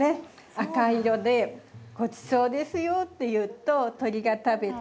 赤い色で「ごちそうですよ」っていうと鳥が食べて。